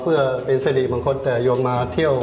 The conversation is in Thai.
เพื่อเป็นสินิข์ของคนแต่หยวงมาเที่ยว